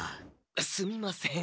すみません。